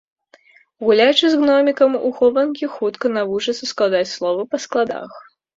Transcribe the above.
Гуляючы з гномікам у хованкі, хутка навучыцца складаць словы па складах.